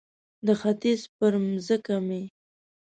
د ختیځ پر مځکه مې